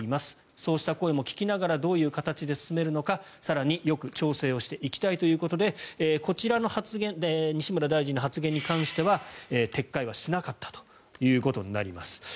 そうした声も聞きながらどういう形で進めるのか更によく調整をしていきたいということでこちらの西村大臣の発言に関しては撤回はしなかったということになります。